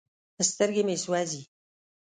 سترګې مې سوزي ـ